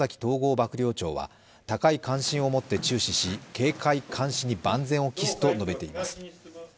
幕僚長は高い関心を持って注視し、警戒監視に万全を期すと述べています。